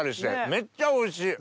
めっちゃおいしい！